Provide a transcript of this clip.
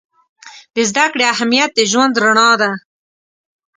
د زده کړې اهمیت د ژوند رڼا ده.